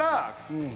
うん。